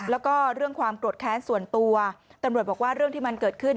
แล้วก็เรื่องความโกรธแค้นส่วนตัวตำรวจบอกว่าเรื่องที่มันเกิดขึ้น